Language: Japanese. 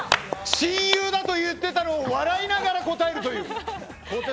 親友だと言っていたのを笑いながら答えるという。